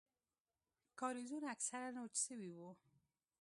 کاريزونه اکثره وچ سوي وو.